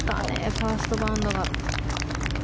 ファーストバウンドが。